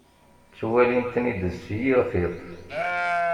Ttwalin-ten-id s yir tiṭ.